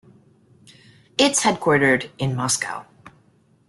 It is headquartered in Moscow.